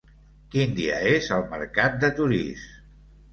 Quin dia és el mercat de Torís?